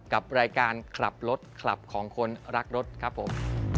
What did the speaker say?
กับรายการขับรถคลับของคนรักรถครับผม